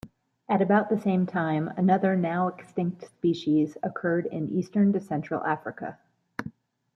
At about the same time, another now-extinct species occurred in eastern to central Africa.